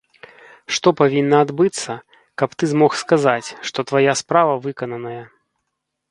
Што павінна адбыцца, каб ты змог сказаць, што твая справа выкананая?